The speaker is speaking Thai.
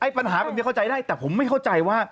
แต่ไอ้ปัญหามันไม่เข้าใจได้แต่ผมไม่เข้าใจว่า